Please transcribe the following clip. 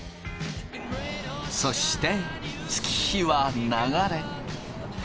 そして月日は流れ。